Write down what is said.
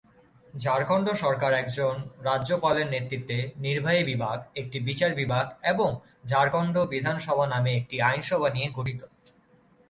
ঝাড়খণ্ড সরকার একজন রাজ্যপালের নেতৃত্বে নির্বাহী বিভাগ, একটি বিচার বিভাগ এবং ঝাড়খণ্ড বিধানসভা নামে একটি আইনসভা নিয়ে গঠিত।